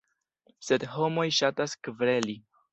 Sed homoj ŝatas kvereli.